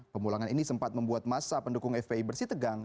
pemulangan ini sempat membuat masa pendukung fpi bersih tegang